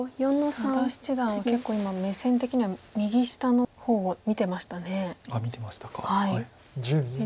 佐田七段は結構今目線的には右下の方を見てましたね。